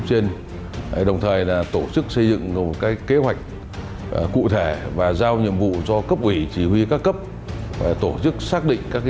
trong thời điểm này có ý nghĩa rất quan trọng